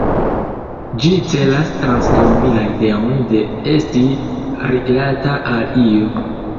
Ĝi celas transdoni la ideon de esti rilata al io.